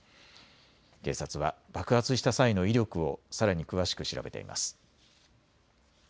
警察は爆発した際の威力をさらに詳しく調べています。